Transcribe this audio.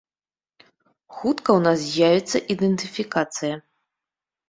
Хутка ў нас з'явіцца ідэнтыфікацыя.